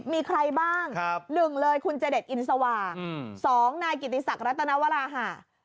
๑๐มีใครบ้าง๑คุณเจดช์อินสวา๒นายกิติศักดิ์รัตนวราฮะ